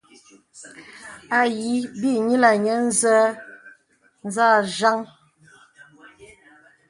Ayi bə īī nyilaŋ nyə̄ nzâ jaŋ.